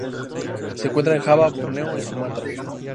Se encuentra en Java, Borneo y Sumatra.